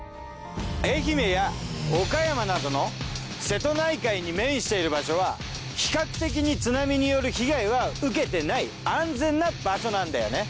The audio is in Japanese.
愛媛や岡山などの瀬戸内海に面している場所は比較的に津波による被害は受けてない安全な場所なんだよね。